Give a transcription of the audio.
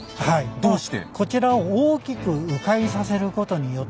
どうして？